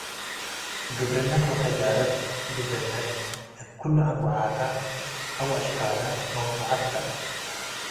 ግብርነት ወተጃረት ግብርነት እብ ክሉ አንወዓተ አው አሽካለ መምኑዐት ተ።